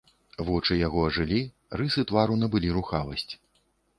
Вочы яго ажылі, рысы твару набылі рухавасць.